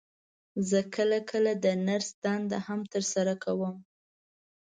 زه کله کله د نرس دنده هم تر سره کوم.